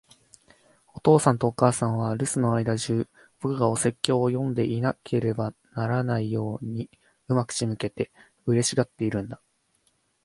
お父さんとお母さんは、留守の間じゅう、僕がお説教を読んでいなければならないように上手く仕向けて、嬉しがっているんだ。